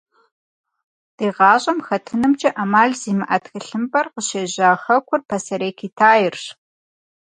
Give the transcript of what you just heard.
Ди гъащӏэм хэтынымкӏэ ӏэмал зимыӏэ тхылъымпӏэр къыщежьа хэкур – Пасэрей Китаирщ.